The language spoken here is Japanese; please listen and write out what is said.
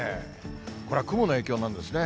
これは雲の影響なんですね。